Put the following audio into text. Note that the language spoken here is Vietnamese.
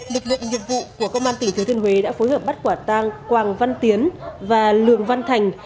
lực lượng nhiệm vụ của công an tỉnh thừa thiên huế đã phối hợp bắt quả tang quảng văn tiến và lường văn thành